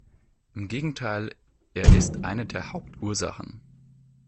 Im Gegenteil er ist eine der Hauptursachen.